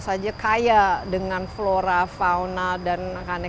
ya terakhir lagi acara agak sebesar paris